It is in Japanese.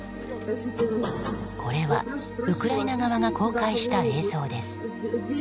これはウクライナ側が公開した映像です。